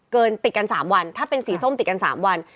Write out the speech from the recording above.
ติดกัน๓วันถ้าเป็นสีส้มติดกัน๓วัน